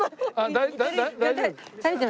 大丈夫。